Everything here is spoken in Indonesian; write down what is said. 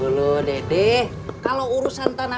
pilih terdiri dari dendam velg